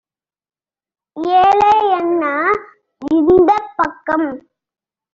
ஏலே என்ன இந்தப் பக்கம்?